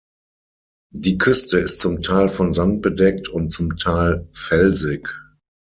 Die Küste ist zum Teil von Sand bedeckt und zum Teil felsig.